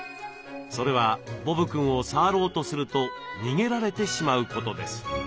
それはボブくんを触ろうとすると逃げられてしまうことです。